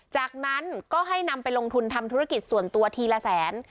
จากนั้นก็ให้นำไปลงทุนทำธุรกิจส่วนตัวทีละแสน